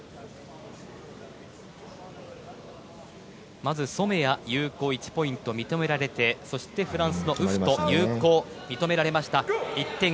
まず、染谷有効１ポイント認められてそして、フランスのウフト有効認められました。